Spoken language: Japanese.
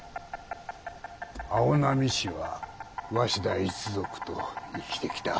青波市は鷲田一族と生きてきた。